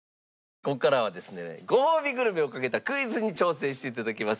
ここからはですねごほうびグルメをかけたクイズに挑戦して頂きます。